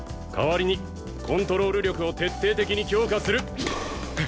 代わりにコントロール力を徹底的に強化する。